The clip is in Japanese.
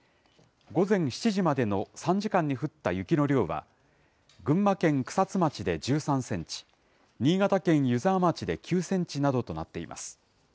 午前７時までの３時間に降った雪の量は、群馬県草津町で１３センチ、新潟県湯沢町で９センチなどとなっています。